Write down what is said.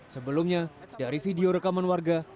sebelumnya dari video rekaman warga